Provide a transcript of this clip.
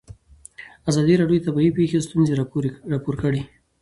ازادي راډیو د طبیعي پېښې ستونزې راپور کړي.